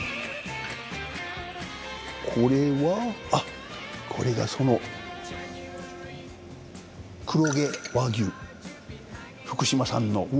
これはあっこれがその黒毛和牛福島産の。